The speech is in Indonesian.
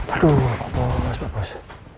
aduh pak bos